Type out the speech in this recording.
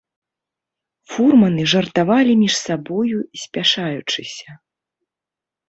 Фурманы жартавалі між сабою спяшаючыся.